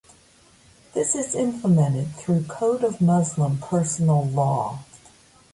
This is implemented through Code of Muslim Personal Law.